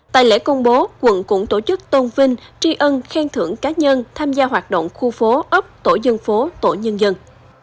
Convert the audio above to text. tại lễ công bố quận cũng tổ chức tôn vinh tri ân khen thưởng cá nhân tham gia hoạt động khu phố ấp tổ dân phố tổ nhân dân